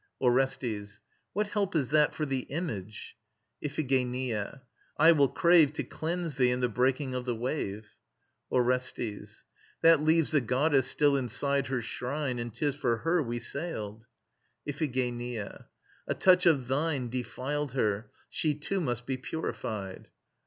ORESTES. What help is that for the Image? IPHIGENIA. I will crave To cleanse thee in the breaking of the wave. ORESTES. That leaves the goddess still inside her shrine, And'tis for her we sailed. IPHIGENIA. A touch of thine Defiled her. She too must be purified.